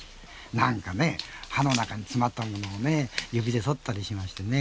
何かね、葉の中に詰まったものを指で取ったりしましてね